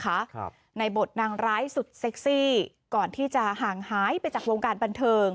ครับในบทนางร้ายสุดเซ็กซี่ก่อนที่จะห่างหายไปจากวงการบันเทิง